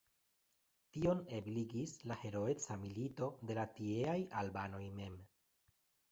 Tion ebligis la heroeca milito de la tieaj albanoj mem.